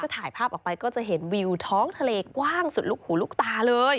ถ่ายภาพออกไปก็จะเห็นวิวท้องทะเลกว้างสุดลูกหูลูกตาเลย